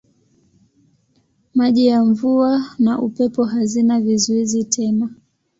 Maji ya mvua na upepo hazina vizuizi tena.